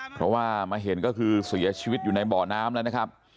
เพราะว่ามาเห็นก็คือเสียชีวิตอยู่ในบ่อน้ำแล้วนะครับ